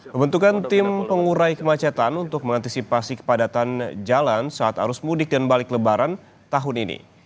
pembentukan tim pengurai kemacetan untuk mengantisipasi kepadatan jalan saat arus mudik dan balik lebaran tahun ini